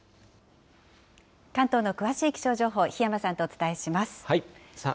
関東の詳しい気象情報、檜山さんとお伝えします。